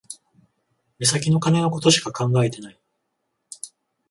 目先の金のことしか考えてない